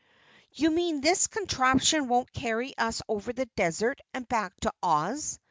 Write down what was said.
"You mean this contraption won't carry us over the desert and back to Oz?"